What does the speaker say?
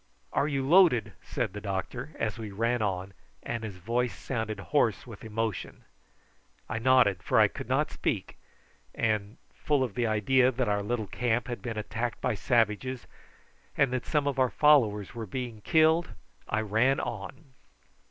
"Are you loaded?" said the doctor, as we ran on, and his voice sounded hoarse with emotion. I nodded, for I could not speak, and, full of the idea that our little camp had been attacked by savages and that some of our followers were being killed, I ran on.